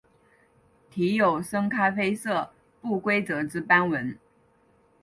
体有深咖啡色不规则之斑纹。